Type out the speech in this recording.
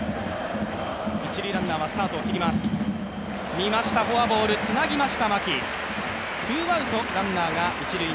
見ました、フォアボール、つなぎました、牧。